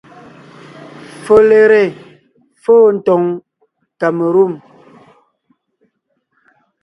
Folere fô tòŋ kamelûm,